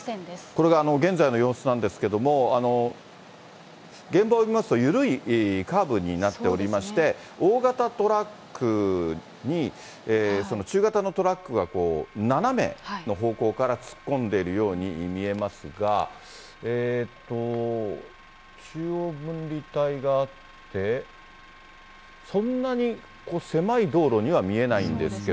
これが現在の様子なんですけれども、現場を見ますと、緩いカーブになっておりまして、大型トラックに中型のトラックがこう、斜めの方向から突っ込んでいるように見えますが、中央分離帯があって、そんなに狭い道路には見えないんですけど。